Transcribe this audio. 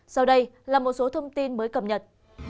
sau đây là một số thông tin mới cập nhật